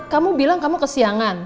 kamu bilang kamu kesiangan